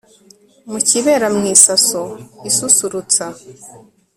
mukibera mu isaso isusurutsa